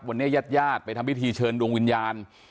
วันนี้ยาดไปทำพิธีเชิญดวงวิญญาณ